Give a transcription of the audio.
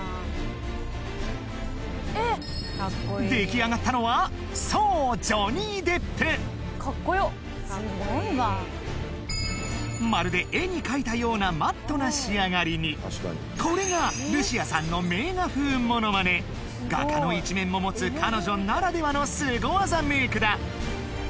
出来上がったのはそうまるで絵に描いたようなマットな仕上がりにこれがルシアさんの画家の一面も持つ彼女ならではのスゴ技メイクだ